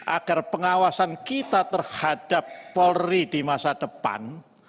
agar pengawasan kita terhadap polri di masa depan